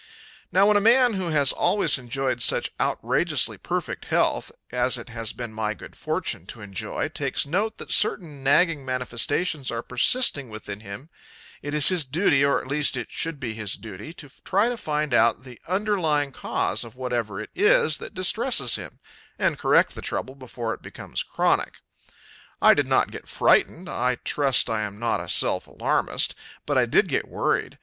Now when a man who has always enjoyed such outrageously perfect health as it has been my good fortune to enjoy takes note that certain nagging manifestations are persisting within him it is his duty, or least it should be his duty, to try to find out the underlying cause of whatever it is that distresses him and correct the trouble before it becomes chronic. I did not get frightened I trust I am not a self alarmist but I did get worried.